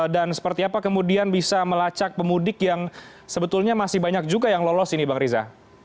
dan seperti apa kemudian bisa melacak pemudik yang sebetulnya masih banyak juga yang lolos ini bang riza